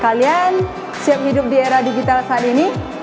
kalian siap hidup di era digital saat ini